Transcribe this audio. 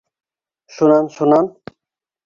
Шунан-шунан?